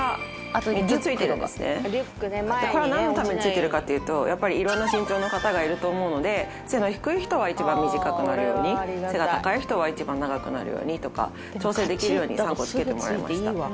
これはなんのためについてるかっていうとやっぱり色んな身長の方がいると思うので背の低い人は一番短くなるように背が高い人は一番長くなるようにとか調整できるように３個つけてもらいました。